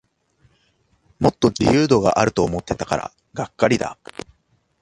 もっと自由度あると思ってたからがっかりだ